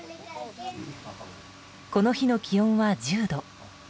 この日の気温は１０度。